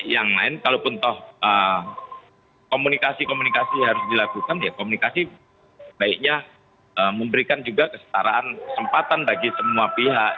yang lain kalaupun toh komunikasi komunikasi harus dilakukan ya komunikasi baiknya memberikan juga kesetaraan kesempatan bagi semua pihak